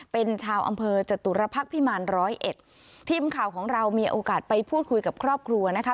เป็นชาวอำเภอจตุรพักษ์พิมารร้อยเอ็ดทีมข่าวของเรามีโอกาสไปพูดคุยกับครอบครัวนะคะ